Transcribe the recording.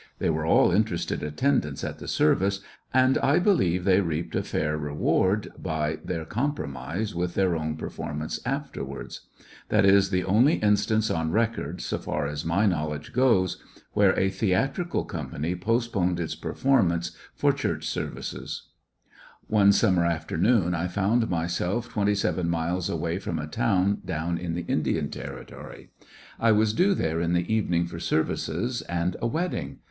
They were all interested attendants at the service, and I believe they reaped a fair reward by their compromise from their own performance afterwards. That is the only instance on record, so far as my knowledge goes, where a theatrical company postponed its performance for Church services. 64 ]}/lissionarY in tge Great West One summer afternoon I found twenty seven miles away from a town down in the Indian Territory. I was due there in the evening for services and a wedding.